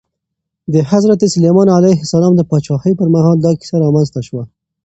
د حضرت سلیمان علیه السلام د پاچاهۍ پر مهال دا کیسه رامنځته شوه.